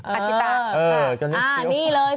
อัจจิตะค่ะนี่เลย